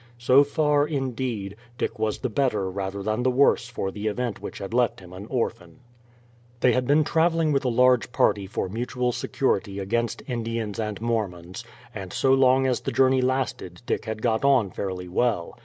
So far, indeed, Dick was the better rather than the worse for the event which had left him an orphan. They had been traveling with a large party for mutual security against Indians and Mormons, and so long as the journey lasted Dick had got on fairly well.